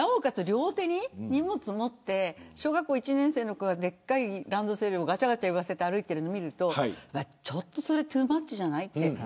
両手に荷物を持って小学校１年生の子がでっかいランドセルをがちゃがちゃいわせて歩くのを見るとちょっと、それトゥーマッチじゃないと。